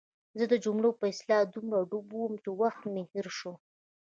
زه د جملو په اصلاح دومره ډوب وم چې وخت مې هېر شو.